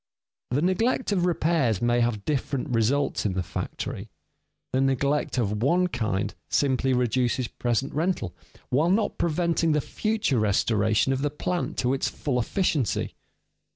_ The neglect of repairs may have different results in the factory. The neglect of one kind simply reduces present rental while not preventing the future restoration of the plant to its full efficiency.